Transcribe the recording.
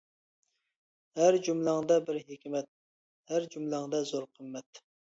ھەر جۈملەڭدە بىر ھېكمەت، ھەر جۈملەڭدە زور قىممەت.